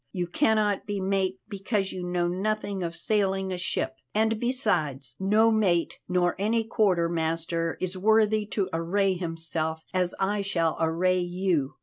You cannot be mate because you know nothing of sailing a ship, and besides no mate nor any quarter master is worthy to array himself as I shall array you.